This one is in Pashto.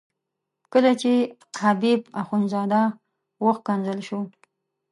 کله چې حبیب اخندزاده وښکنځل شو.